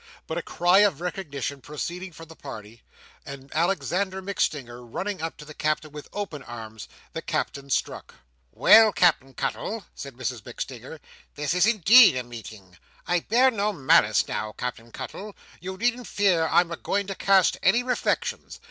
But a cry of recognition proceeding from the party, and Alexander MacStinger running up to the Captain with open arms, the Captain struck. "Well, Cap'en Cuttle!" said Mrs MacStinger. "This is indeed a meeting! I bear no malice now, Cap'en Cuttle—you needn't fear that I'm a going to cast any reflections.